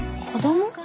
子ども？